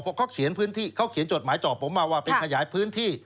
เพราะเขาเขียนพื้นที่เขาเขียนจดหมายจอบผมมาว่าไปขยายพื้นที่